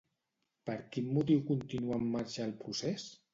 Per quin motiu continua en marxa el procés?